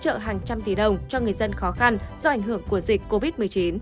công an tỉnh cũng quyên góp hàng trăm tỷ đồng cho người dân khó khăn do ảnh hưởng của dịch covid một mươi chín